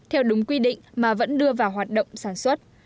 theo đúng quy định mà vẫn đưa vào hoạt động sản xuất